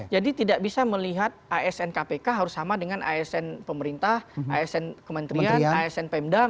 jadi tidak bisa melihat asn kpk harus sama dengan asn pemerintah asn kementerian asn pmd